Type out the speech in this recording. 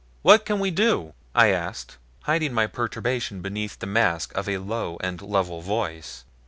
"What can we do?" I asked, hiding my perturbation beneath the mask of a low and level voice.